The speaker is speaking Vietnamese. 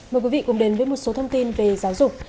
mời quý vị cùng đến với một số thông tin về giáo dục